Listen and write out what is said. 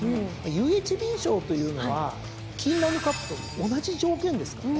ＵＨＢ賞というのはキーンランドカップと同じ条件ですからね。